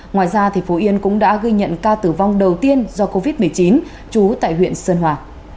ngoài ra phú yên cũng đã ghi nhận ca tử vong đầu tiên do covid một mươi chín trú tại huyện sơn hòa